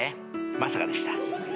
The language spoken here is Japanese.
まさかでした。